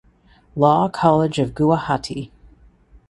Law College of Guwahati.